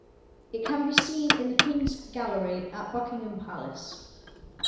It can be seen in the Queen's Gallery at Buckingham Palace.